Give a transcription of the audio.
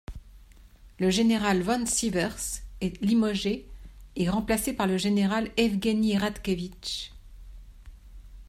Le général von Sievers est limogé et remplacé par le général Evgueni Radkevitch.